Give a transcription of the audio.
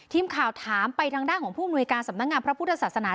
ทีมข่าวถามไปทางด้านของผู้อำนวยการสำนักงานพระพุทธศาสนา